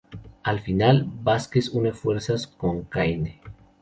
Al final, Vazquez une fuerzas con Caine...